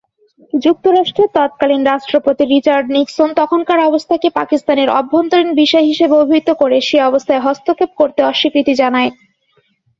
যুক্তরাষ্ট্রের তৎকালীন রাষ্ট্রপতি রিচার্ড নিক্সন তখনকার অবস্থাকে পাকিস্তানের অভ্যন্তরীণ বিষয় হিসেবে অভিহিত করে সে অবস্থায় হস্তক্ষেপ করতে অস্বীকৃতি জানায়।